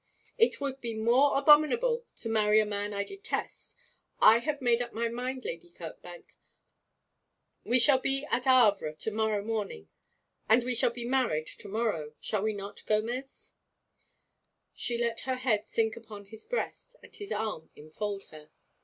'It would be more abominable to marry a man I detest. I have made up my mind, Lady Kirkbank. We shall be at Havre to morrow morning, and we shall be married to morrow shall we not, Gomez?' She let her head sink upon his breast, and his arm enfold her.